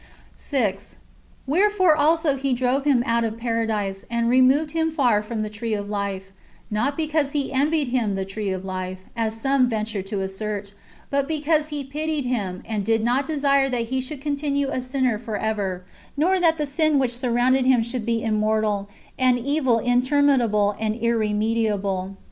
' Prov. i. 7, ix. 10. ^ Gen. iii. 13. Book hi.] IREN^US AGAINST HERESIES. 367 6. Wherefore also He drove him out of Paradise, and removed him far from the tree of life, not because He envied him the tree of life, as some venture to assert, but because He pitied him, [and did not desire] that he should continue a sinner for ever, nor that the sin which surrounded him should be immortal, and evil interminable and irremediable.